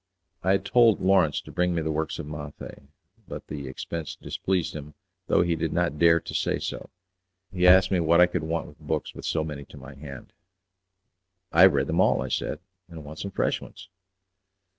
I had told Lawrence to bring me the works of Maffei, but the expense displeased him though he did not dare to say so. He asked me what I could want with books with so many to my hand. "I have read them all," I said, "and want some fresh ones."